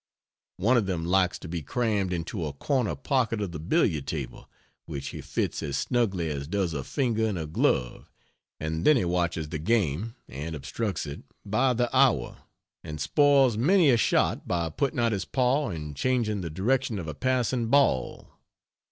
One of them likes to be crammed into a corner pocket of the billiard table which he fits as snugly as does a finger in a glove and then he watches the game (and obstructs it) by the hour, and spoils many a shot by putting out his paw and changing the direction of a passing ball.